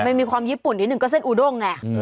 มันมีความญี่ปุ่นนิดหนึ่งก็เส้นอูด้งไง